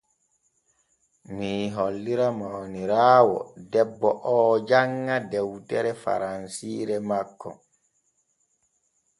Mii hollira mawniraawo debbo oo janŋa dewtere faransiire makko.